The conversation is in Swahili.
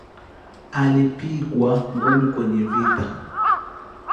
Alipigwa ngumi kwenye vita